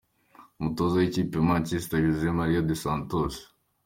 Umutoza w'ikipe ya Manchester United, José Mário dos Santos.